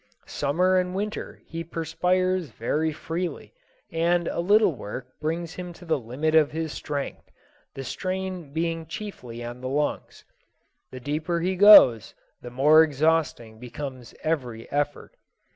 Summer and winter he perspires very freely, and a little work brings him to the limit of his strength, the strain being chiefly on the lungs. The deeper he goes the more exhausting becomes every effort.